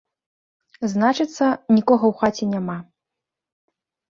Значыцца, нікога ў хаце няма.